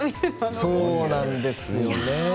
そうなんですよね。